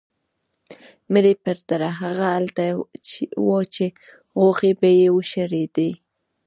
مړی به تر هغې هلته و چې غوښې به یې وشړېدې.